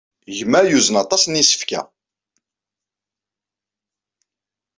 Gma yuzen aṭas n yisefka.